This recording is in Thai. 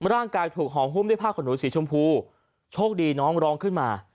ร่างกายถูกห่อหุ้มด้วยผ้าขนหนูสีชมพูโชคดีน้องร้องขึ้นมา